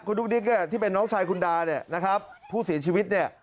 คุณดุ๊กดิ๊กที่เป็นน้องชายคุณดานะครับผู้ศีลชีวิต